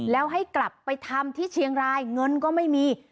แล้วให้กลับไปทำที่เชียงรายเงินก็ไม่มี